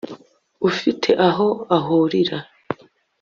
ufite aho uhurira